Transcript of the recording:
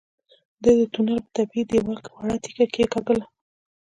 ده د تونل په طبيعي دېوال کې وړه تيږه کېکاږله.